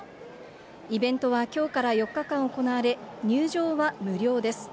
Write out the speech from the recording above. イベントはきょうから４日間行われ、入場は無料です。